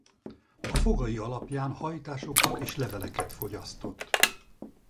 A fogai alapján hajtásokat és leveleket fogyasztott.